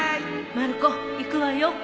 まる子行くわよ